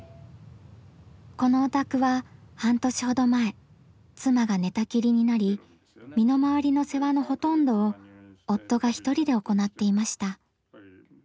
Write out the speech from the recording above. このお宅は半年ほど前妻が寝たきりになり身の回りの世話のほとんどを夫が１人で行っていました。